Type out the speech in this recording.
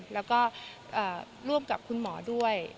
แล้วก็ร่วมกับคุณหมอด้วย